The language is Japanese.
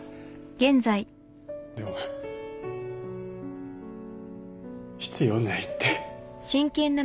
でも必要ないって。